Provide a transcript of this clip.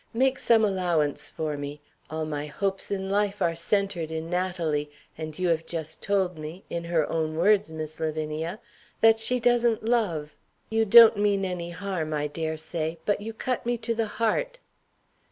Make some allowance for me. All my hopes in life are centered in Natalie; and you have just told me (in her own words, Miss Lavinia) that she doesn't love. You don't mean any harm, I dare say; but you cut me to the heart."